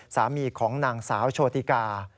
สามีของนางสาวโชติกา